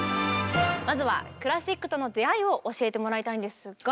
まずはクラシックとの出会いを教えてもらいたいんですが。